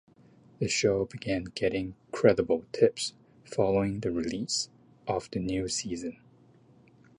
The show began getting "credible tips" following the release of the new season.